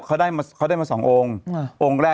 ใช่เขาได้มา๒องค์